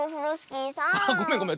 ごめんごめん。